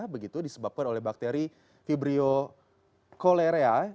begitu disebabkan oleh bakteri fibrio cholerea